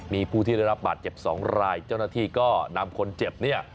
มีผู้ที่ได้รับบาดเจ็บ๒รายเจ้าหน้าที่ก็นำคนเจ็บเนี่ย